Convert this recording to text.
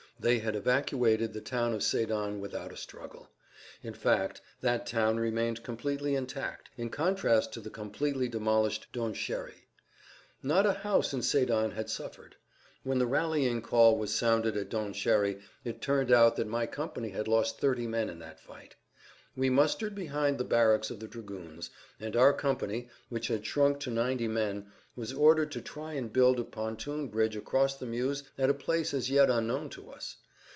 They had evacuated the town of Sédan without a struggle. In fact, that town remained completely intact, in contrast to the completely demolished Donchéry. Not a house in Sédan had suffered. When the rallying call was sounded at Donchéry it turned out that my company had lost thirty men in that fight. We mustered behind the barracks of the dragoons, and our company, which had shrunk to ninety men, was ordered to try and build a pontoon bridge across the Meuse at a place as yet unknown to us.